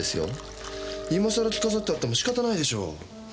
今さら着飾って会っても仕方ないでしょ。